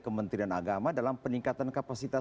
kementerian agama dalam peningkatan kapasitas